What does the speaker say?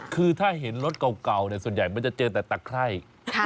คือถ้าเห็นรถเก่าส่วนใหญ่มันจะเจอแต่ตะไคร่